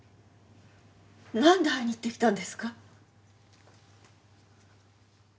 なんで会いに行ってきたんですか？